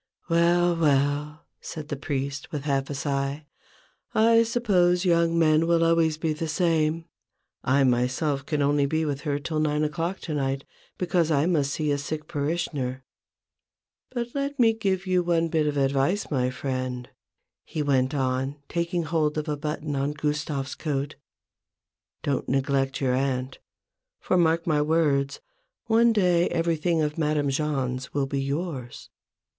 " Well ! well !" said the priest, with half a sigh, " I suppose young men will always be the same, I myself can only be with her till nine o'clock to night, because I must see a sick parishioner. But let me give you one bit 84 A BOOK OF BARGAINS. of advice, my friend," he went on, taking hold of a button on Gustave's coat :" don't neglect your aunt; for, mark my words, one day everything of Madame Jahn's will be yours